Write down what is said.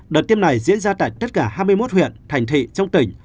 đợt tiêm này diễn ra tại tất cả hai mươi một huyện thành thị trong tỉnh